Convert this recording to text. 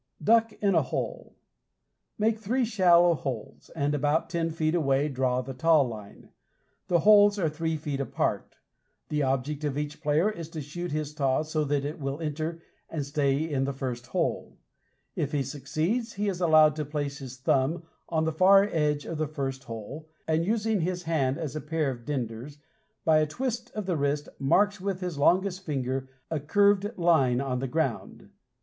DUCK IN A HOLE Make three shallow holes, and about ten feet away draw the taw line. The holes are three feet apart. The object of each player is to shoot his taw so that it will enter and stay in the first hole. If he succeeds, he is allowed to place his thumb on the far edge of the first hole, and using his hand as a pair of dinders, by a twist of the wrist he marks with his longest finger a curved line on the ground.